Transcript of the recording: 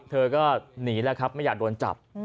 เธอก็หนีแล้วครับไม่อยากโดนจับ